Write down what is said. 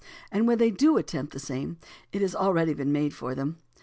And when they do attempt the same, it has been already made for them.